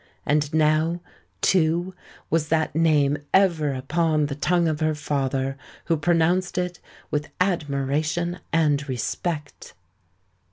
And now, too, was that name ever upon the tongue of her father, who pronounced it with admiration and respect.